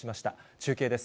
中継です。